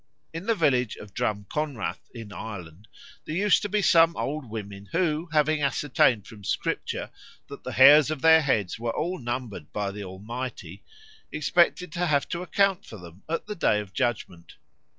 In the village of Drumconrath in Ireland there used to be some old women who, having ascertained from Scripture that the hairs of their heads were all numbered by the Almighty, expected to have to account for them at the day of judgment.